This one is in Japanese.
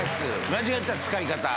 間違った使い方。